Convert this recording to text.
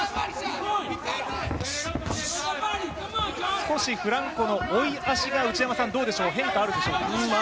少しフランコの追い足が変化あるでしょうか。